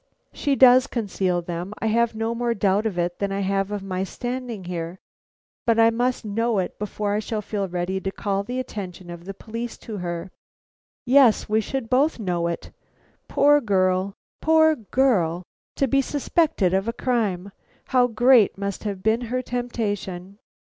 "She does conceal them; I have no more doubt of it than I have of my standing here; but I must know it before I shall feel ready to call the attention of the police to her." "Yes, we should both know it. Poor girl! poor girl! to be suspected of a crime! How great must have been her temptation!"